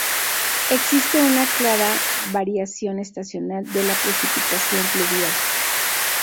Existe una clara variación estacional de la precipitación pluvial.